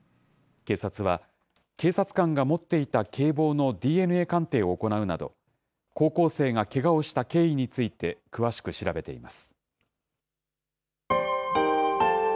警察は、警察官が持っていた警棒のＤＮＡ鑑定を行うなど、高校生がけがをした経緯について詳しく調べています。